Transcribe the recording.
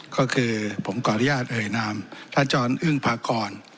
ก็คือผมกรรยาชเอ่ยนามท่าจรอึ้งพากร